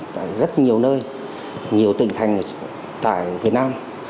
tại rất nhiều nơi nhiều tỉnh thành tại việt nam